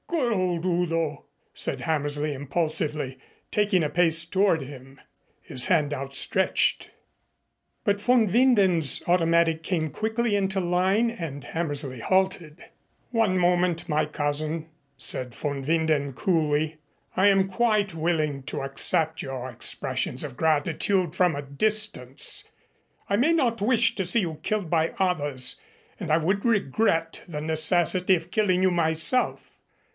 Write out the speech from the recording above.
"Good old Udo!" said Hammersley impulsively, taking a pace toward him, his hand outstretched. But von Winden's automatic came quickly into line and Hammersley halted. "One moment, my cousin," said von Winden coolly. "I am quite willing to accept your expressions of gratitude from a distance. I may not wish to see you killed by others, and I would regret the necessity of killing you myself.